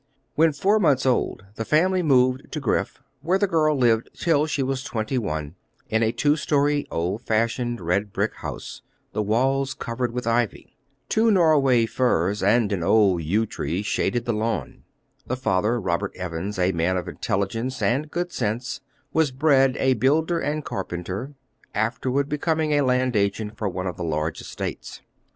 When four months old the family moved to Griff, where the girl lived till she was twenty one, in a two story, old fashioned, red brick house, the walls covered with ivy. Two Norway firs and an old yew tree shaded the lawn. The father, Robert Evans, a man of intelligence and good sense, was bred a builder and carpenter, afterward becoming a land agent for one of the large estates.